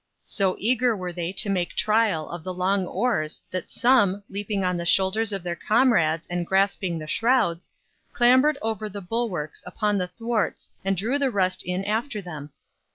So eager were they to make trial of the long oars that some, leaping on the shoulders of their comrades and grasping the shrouds, clambered over the bulwarks upon the thwarts and drew the rest in after them.